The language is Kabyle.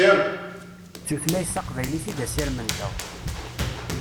D tutlayt taqbaylit i d asirem-nteɣ.